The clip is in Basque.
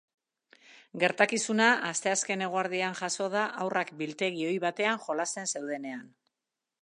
Gertakizuna asteazken eguerdian jazo da haurrak biltegi ohi batean jolasten zeudenean.